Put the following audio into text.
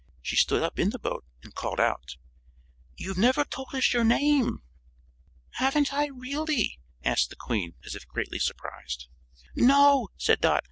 She stood up in the boat and called out: "You've never told us your name!" "Haven't I, really?" asked the Queen, as if greatly surprised. "No," said Dot.